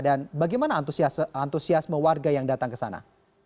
dan bagaimana antusiasme warga yang datang ke sana